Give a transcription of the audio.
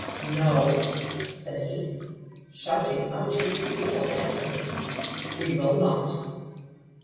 "No!" said he, shouting out his refusal at her. "We will not."